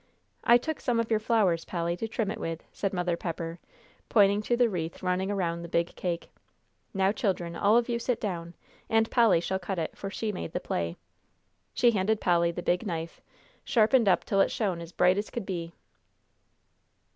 "I took some of your flowers, Polly, to trim it with," said Mother Pepper, pointing to the wreath running around the big cake. "Now, children, all of you sit down, and Polly shall cut it, for she made the play." She handed Polly the big knife, sharpened up till it shone as bright as could be.